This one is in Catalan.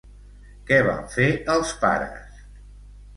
Què van fer els pares?